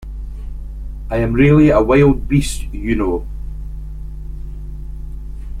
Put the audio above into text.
I am really a wild beast, you know.